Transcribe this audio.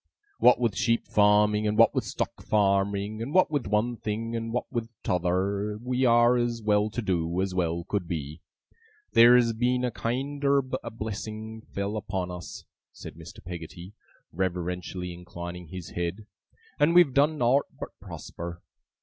What with sheep farming, and what with stock farming, and what with one thing and what with t'other, we are as well to do, as well could be. Theer's been kiender a blessing fell upon us,' said Mr. Peggotty, reverentially inclining his head, 'and we've done nowt but prosper.